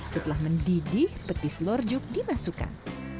setelah mendidih petis lorjuk dimasukkan